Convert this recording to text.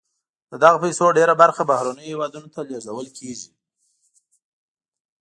د دغه پیسو ډېره برخه بهرنیو هېوادونو ته لیږدول کیږي.